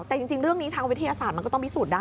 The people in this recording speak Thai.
แต่จริงเรื่องนี้ทางวิทยาศาสตร์มันก็ต้องพิสูจนได้